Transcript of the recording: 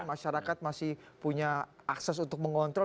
masyarakat masih punya akses untuk mengontrol